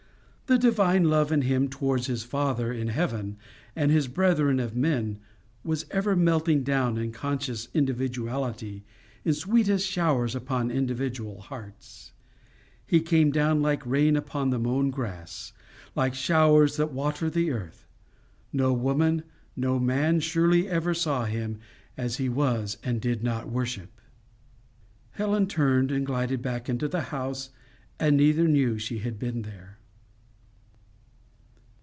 The divine love in him towards his Father in heaven and his brethren of men, was ever melting down his conscious individuality in sweetest showers upon individual hearts; he came down like rain upon the mown grass, like showers that water the earth. No woman, no man surely ever saw him as he was and did not worship!" Helen turned and glided back into the house, and neither knew she had been there.